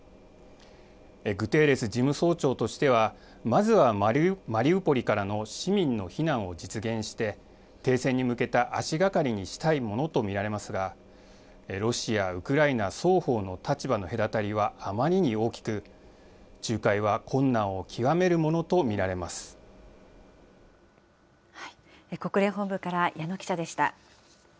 グテーレス事務総長としては、まずはマリウポリからの市民の避難を実現して、停戦に向けた足がかりにしたいものと見られますが、ロシア、ウクライナ双方の立場の隔たりはあまりに大きく、仲介は国連本部から矢野記者でした。